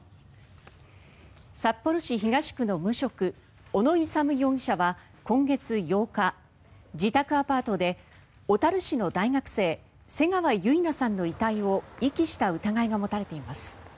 札幌市東区の無職小野勇容疑者は今月８日自宅アパートで小樽市の大学生瀬川結菜さんの遺体を遺棄した疑いが持たれています。